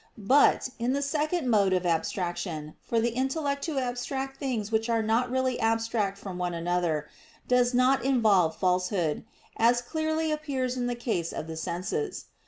But, in the second mode of abstraction, for the intellect to abstract things which are not really abstract from one another, does not involve falsehood, as clearly appears in the case of the senses.